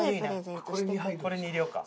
これに入れようか。